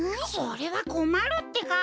それはこまるってか。